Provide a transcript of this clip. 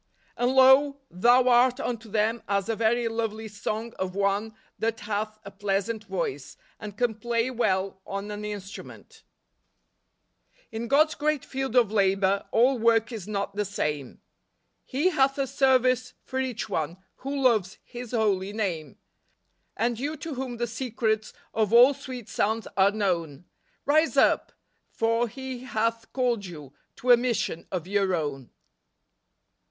"And, lo, thou art unto them as a very lovely song of one that hath a pleasant voice , and can play well on an instrument ."" In God's great field of labor All work is not the same; He hath a service for each one TT7iO loves Ilis holy name. And you to whom the secrets Of all sweet sounds are known. Rise up ! for He hath called you To a mission of your own."